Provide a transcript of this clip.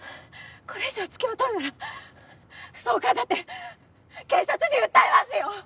これ以上つきまとうならストーカーだって警察に訴えますよ！